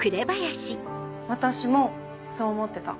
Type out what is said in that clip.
私もそう思ってた。